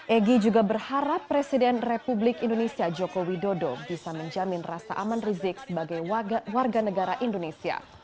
egy juga berharap presiden republik indonesia joko widodo bisa menjamin rasa aman rizik sebagai warga negara indonesia